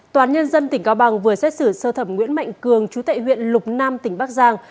tòa án nhân dân tỉnh cao bằng vừa xét xử sơ thẩm nguyễn mạnh cường chú tệ huyện lục nam tỉnh bắc giang